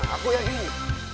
aku yang jadi